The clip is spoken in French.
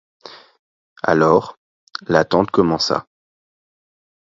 Alors, l'attente commença.